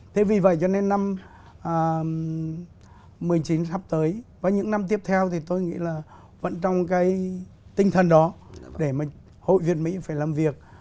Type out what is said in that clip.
thế vì vậy cho nên năm một mươi chín sắp tới và những năm tiếp theo thì tôi nghĩ là vẫn trong cái tinh thần đó để mà hội việt mỹ phải làm việc